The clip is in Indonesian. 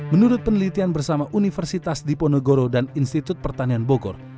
menurut penelitian bersama universitas diponegoro dan institut pertanian bogor